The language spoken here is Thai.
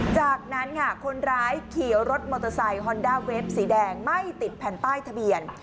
จากนั้นค่ะคนร้ายขี่รถมอเตอร์ไซค์ฮอนด้าเวฟสีแดงไม่ติดแผ่นป้ายทะเบียน